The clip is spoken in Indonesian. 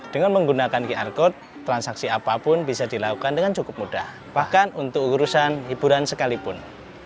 dengan menggunakan qr code transaksi apapun bisa dilakukan dengan cukup mudah bahkan untuk urusan hiburan sekalipun